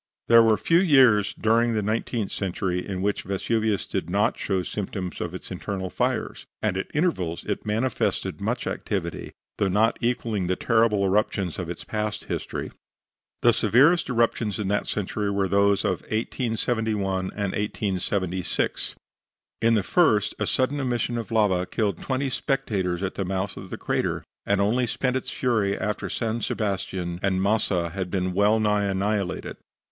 There were few years during the nineteenth century in which Vesuvius did not show symptoms of its internal fires, and at intervals it manifested much activity, though not equaling the terrible eruptions of its past history. The severest eruptions in that century were those of 1871 and 1876. In the first a sudden emission of lava killed twenty spectators at the mouth of the crater, and only spent its fury after San Sebastian and Massa had been well nigh annihilated.